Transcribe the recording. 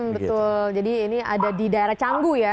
betul jadi ini ada di daerah canggu ya